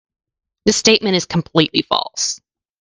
This statement is completely false.